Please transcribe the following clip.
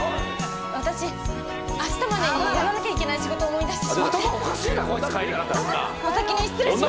私明日までにやらなきゃいけない仕事思い出してしまってお先に失礼します